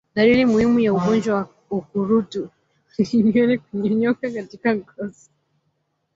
Dalili muhimu ya ugonjwa wa ukurutu ni nywele kunyonyoka katika ngozi